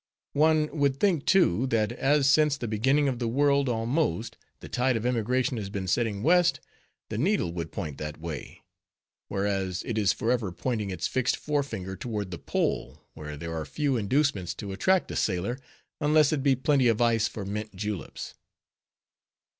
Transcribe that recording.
One would think, too, that, as since the beginning of the world almost, the tide of emigration has been setting west, the needle would point that way; whereas, it is forever pointing its fixed fore finger toward the Pole, where there are few inducements to attract a sailor, unless it be plenty of ice for mint juleps.